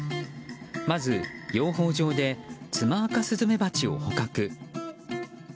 まず、養蜂場でツマアカスズメバチを捕獲。